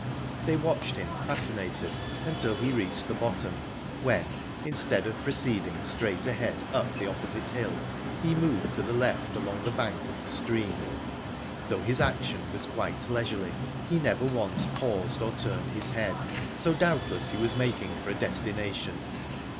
They watched him, fascinated, until he reached the bottom, when, instead of proceeding straight ahead up the opposite hill, he moved to the left along the bank of the stream. Though his action was quite leisurely, he never once paused or turned his head, so doubtless he was making for a destination.